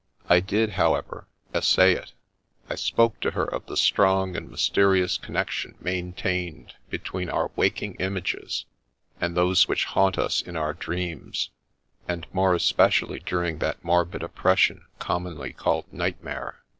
I did, how ever, essay it ; I spoke to her of the strong and mysterious con nection maintained between our waking images and those which haunt us in our dreams, and more especially during that morbid oppression commonly called nightmare.